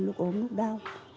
lúc ốm lúc đau